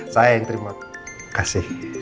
saya yang terima kasih